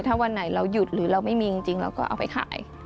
ถ้าวันไหนเราหยุดหรือเราไม่มีจริงเราก็เอาไปขาย